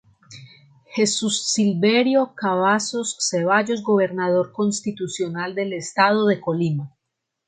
Jesús Silverio Cavazos Ceballos Gobernador Constitucional del Estado de Colima.